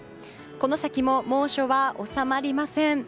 この先も猛暑は収まりません。